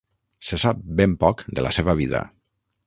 Se sap ben poc de la seva vida.